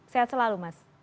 sehat selalu mas